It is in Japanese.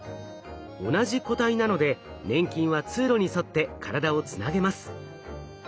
同じ個体なので粘菌は通路に沿って体をつなげます。